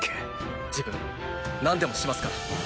自分何でもしますから。